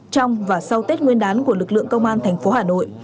trong và sau tết nguyên đán của lực lượng công an thành phố hà nội